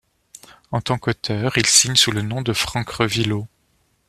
En tant qu'auteur, il signe sous le nom de Frank Revilo.